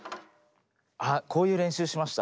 あっこういう練習しました。